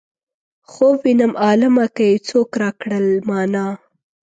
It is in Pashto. خوب وينم عالمه که یې څوک راکړل مانا.